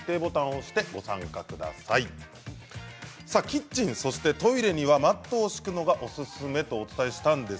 キッチン、そしてトイレにはマットを敷くのがおすすめです。